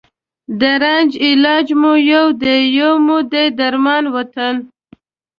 د رنځ علاج مو یو دی، یو مو دی درمان وطنه